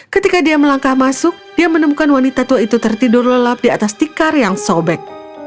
ketika dia melangkah masuk dia menemukan wanita tua itu tertidur lelap di atas tikar yang sobek